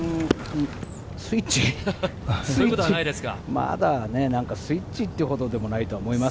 まだスイッチというほどでもないと思います。